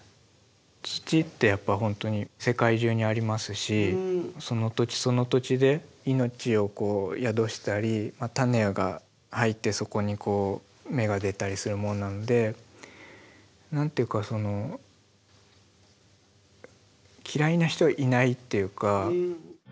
土ってやっぱ本当に世界中にありますしその土地その土地で命を宿したり種が入ってそこにこう芽が出たりするものなんで何て言うかその嫌いな人はいないっていうか。